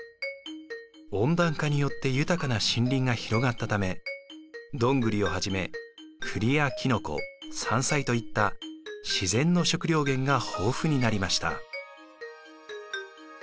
温暖化によって豊かな森林が広がったためドングリをはじめクリやキノコ山菜といった自然の食料源が豊富になりました。